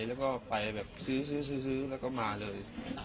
แล้วก็ไปแบบซื้อแล้วก็มาเลย